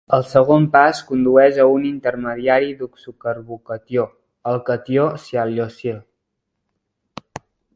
El segon pas condueix a un intermediari d'oxocarbocatió, el catió sialosyl.